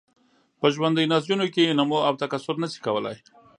په ژوندیو نسجونو کې نمو او تکثر نشي کولای.